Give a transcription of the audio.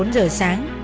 ba bốn giờ sáng